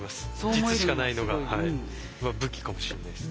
実しかないのが武器かもしれないです。